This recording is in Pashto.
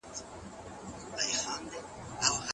که شیدې د ماشوم لپاره زیاتې وي، د هاضمې ستونزې رامنځته کېږي.